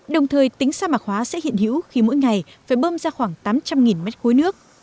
đồng thời tính sa mạc hóa sẽ hiện hữu khi mỗi ngày phải bơm ra khoảng tám trăm linh mét khối nước